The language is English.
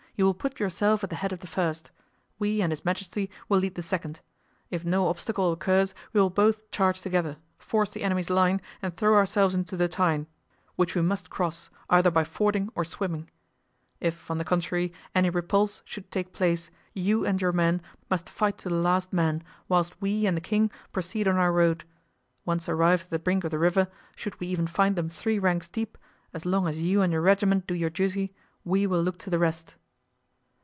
You will put yourself at the head of the first. We and his majesty will lead the second. If no obstacle occurs we will both charge together, force the enemy's line and throw ourselves into the Tyne, which we must cross, either by fording or swimming; if, on the contrary, any repulse should take place, you and your men must fight to the last man, whilst we and the king proceed on our road. Once arrived at the brink of the river, should we even find them three ranks deep, as long as you and your regiment do your duty, we will look to the rest."